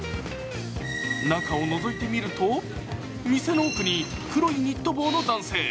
中をのぞいてみると、店の奥に黒いニット帽の男性。